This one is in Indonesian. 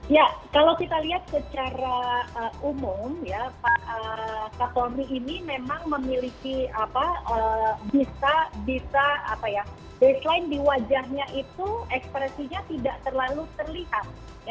ya kalau kita lihat secara umum ya pak kapolri ini memang memiliki apa bisa baseline di wajahnya itu ekspresinya tidak terlalu terlihat